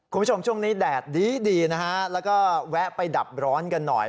คุณผู้ชมช่วงนี้แดดดีดีนะฮะแล้วก็แวะไปดับร้อนกันหน่อย